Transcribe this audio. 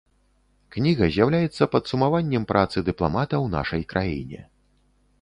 Кніга з'яўляецца падсумаваннем працы дыпламата ў нашай краіне.